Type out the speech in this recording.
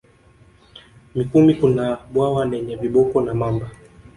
Mikumi kuna bwawa lenye viboko na mamba